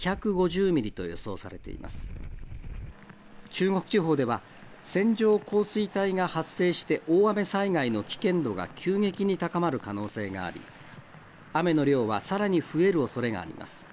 中国地方では線状降水帯が発生して大雨災害の危険度が急激に高まる可能性があり雨の量はさらに増えるおそれがあります。